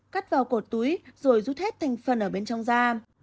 cắt vào cột túi rồi rút hết thành phần ở bên trong da